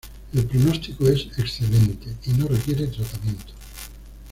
El pronóstico es excelente y no requiere tratamiento.